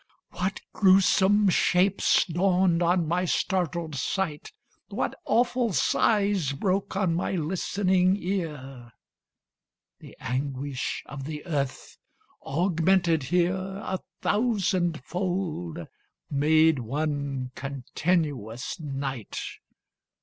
What gruesome shapes dawned on my startled sight What awful sighs broke on my listening ear! The anguish of the earth, augmented here A thousand fold, made one continuous night.